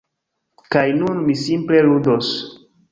Kaj nun mi simple ludos.